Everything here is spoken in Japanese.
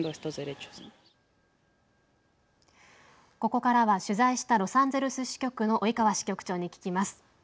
ここからは取材したロサンゼルス支局の及川支局長に聞きます。